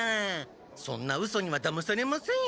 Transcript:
そんなうそにはだまされませんよ。